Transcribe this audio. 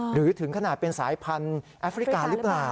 หรือถึงขนาดเป็นสายพันธุ์แอฟริกาหรือเปล่า